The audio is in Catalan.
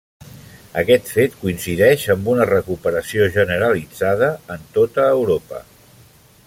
Aquest fet coincideix amb una recuperació generalitzada en tota Europa.